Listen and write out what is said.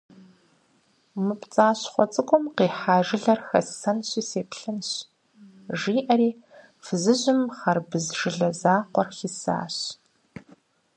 «Мы пцӀащхъуэ цӀыкӀум къихьа жылэр хэссэнщи сеплъынщ», - жиӀэри фызыжьым хъэрбыз жылэ закъуэр хисащ.